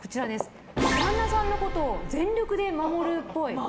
旦那さんのこと全力で守っぽい。